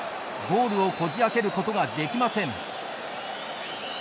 ゴールをこじあけることができません。